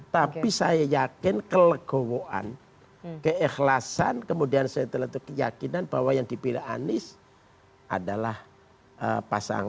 tapi saya yakin kelegowoan keikhlasan kemudian setelah itu keyakinan bahwa yang dipilih anies adalah pasangan